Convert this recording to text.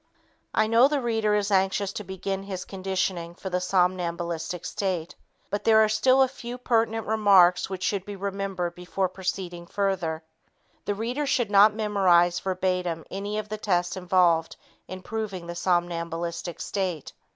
I know the reader is anxious to begin his conditioning for the somnambulistic state, but there are still a few pertinent remarks which should be remembered before proceeding further. The reader should not memorize verbatim any of the tests involved in proving the somnambulistic state.